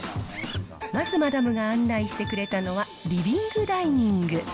まずマダムが案内してくれたのは、リビングダイニング。